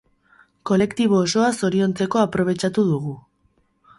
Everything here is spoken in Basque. Kolektibo osoa zoriontzeko aprobetxatu dugu.